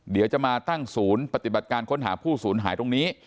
เดี๋ยวจะมาตั้งศูนย์ปฏิบัติการค้นหาผู้สูญหายตรงนี้